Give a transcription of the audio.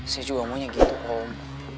saya juga maunya gitu om